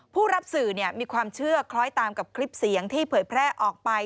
ผู้รับสื่อมีความเชื่อคล้อยตามกับคลิปเสียงที่เผยแพร่ออกไป